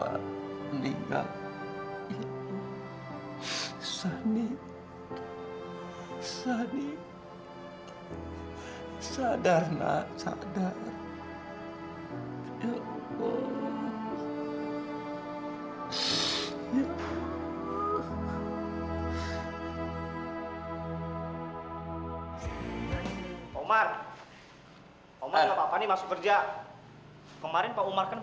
ampun ampun ampun ya allah